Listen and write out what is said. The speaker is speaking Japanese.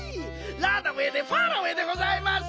ランナウェイでファラウェイでございます。